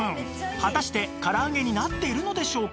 果たして唐揚げになっているのでしょうか？